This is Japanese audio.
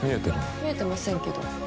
見えてませんけど。